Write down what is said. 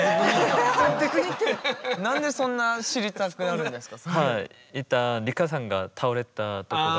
何でそんな知りたくなるんですか？